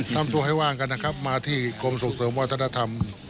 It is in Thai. ทำตัวให้ว่างกันนะครับมาที่กรมส่งเสริมวัฒนธรรม